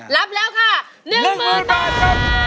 รับแล้วค่ะหนึ่งหมื่นบาท